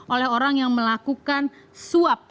oleh orang yang melakukan swab